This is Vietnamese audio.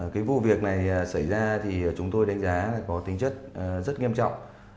cái vụ việc này xảy ra thì chúng tôi đánh giá là có tính chất rất nghiêm trọng